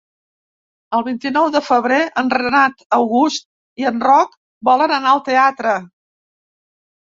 El vint-i-nou de febrer en Renat August i en Roc volen anar al teatre.